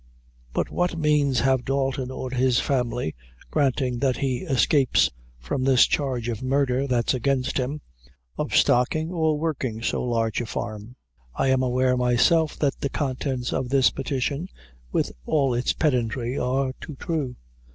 "But what means have Dalton or his family, granting that he escapes from this charge of murder that's against him, of stocking or working so large a farm? I am aware myself that the contents of this petition, with all its pedantry, are too true."